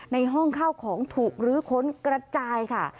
ในห้องข้าวของถูกลื้อค้นกระจายค่ะ